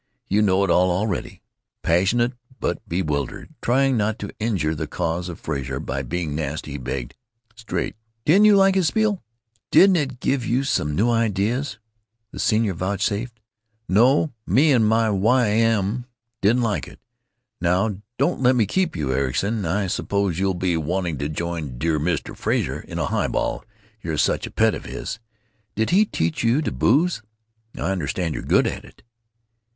You know it all already." Passionate but bewildered, trying not to injure the cause of Frazer by being nasty, he begged: "Straight, didn't you like his spiel? Didn't it give you some new ideas?" The senior vouchsafed: "No, 'me and my Y. M.' didn't like it. Now don't let me keep you, Ericson. I suppose you'll be wanting to join dear Mr. Frazer in a highball; you're such a pet of his. Did he teach you to booze? I understand you're good at it."